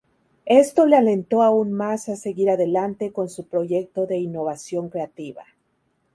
Esto le alentó aún más a seguir adelante con su proyecto de innovación creativa.